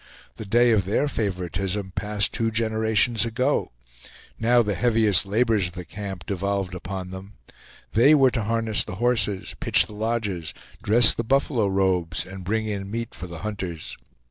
The day of their favoritism passed two generations ago; now the heaviest labors of the camp devolved upon them; they were to harness the horses, pitch the lodges, dress the buffalo robes, and bring in meat for the hunters.